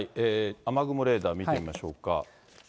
雨雲レーダー見てみましょうか。